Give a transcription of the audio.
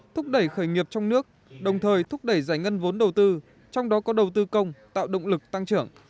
thúc đẩy khởi nghiệp trong nước đồng thời thúc đẩy giải ngân vốn đầu tư trong đó có đầu tư công tạo động lực tăng trưởng